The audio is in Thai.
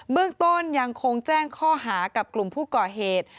เรื่องต้นยังคงแจ้งข้อหากับกลุ่มผู้ก่อเหตุ